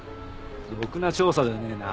ろくな調査じゃねえな。